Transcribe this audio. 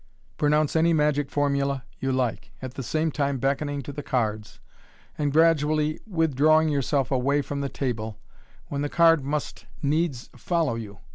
Pronounce any magic formula you like, at the same time beckoning to the cards, and gradually with drawing yourself away from the table, when the card must needs follow you.